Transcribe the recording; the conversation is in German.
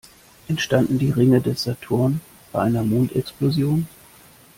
Entstanden die Ringe des Saturn bei einer Mondexplosion?